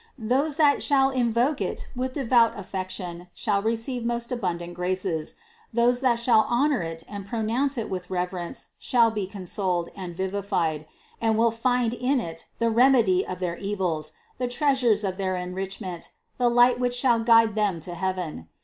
Those that shall invoke it with devout affection shall re ceive most abundant graces; those that shall honor it and pronounce it with reverence shall be consoled and vivified, and will find in it the remedy of their evils, the treasures for their enrichment, the light which shall guide 270 CITY OF GOD them to heaven.